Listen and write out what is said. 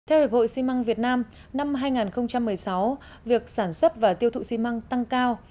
theo hiệp hội xi măng việt nam năm hai nghìn một mươi sáu việc sản xuất và tiêu thụ xi măng tăng cao